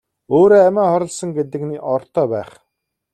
Өөрөө амиа хорлосон гэдэг нь ортой байх.